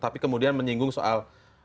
tapi kemudian menyinggung soal